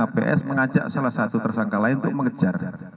ps mengajak salah satu tersangka lain untuk mengejar